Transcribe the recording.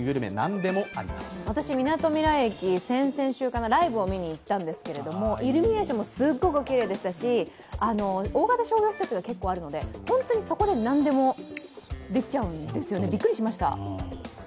私、みなとみらい駅、先々週、ライブを見に行ったんですけども、イルミネーションもすごくきれいでしたし、大型商業施設が結構あるので、本当にそこで何でも出ちゃうってすよね、びっくりしました。